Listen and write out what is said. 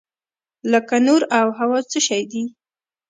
لکه نور او هوا څه شی دي؟